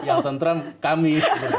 yang tentram kami